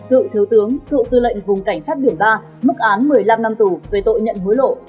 cựu thiếu tướng cựu tư lệnh vùng cảnh sát biển ba mức án một mươi năm năm tù về tội nhận hối lộ